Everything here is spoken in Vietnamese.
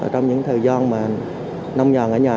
trong những thời gian mà nông nhòn ở nhà